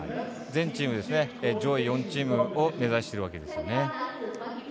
全チーム、上位４チームを目指しているわけです。